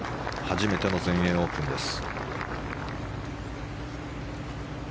初めての全英オープンです。